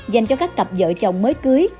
dành cho các cặp vợ chồng mới cưới